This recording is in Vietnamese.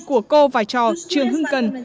của cô và trò trường hương cần